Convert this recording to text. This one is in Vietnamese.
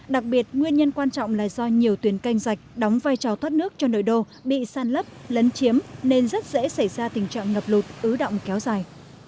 đặc biệt nguyên nhân quan trọng là do nhiều tuyến canh rạch đóng vai trò thoát nước cho nội đô bị san lấp lấn chiếm nên rất dễ xảy ra tình trạng ngập lụt ứ động kéo dài